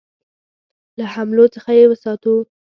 له حملو څخه یې وساتو.